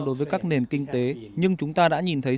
đối với các nền kinh tế nhưng chúng ta đã nhìn thấy